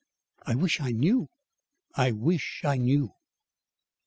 I wish I knew. I wish I knew."